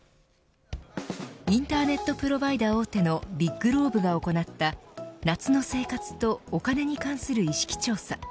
インターネットプロバイダー大手のＢＩＧＬＯＢＥが行った夏の生活とお金に関する意識調査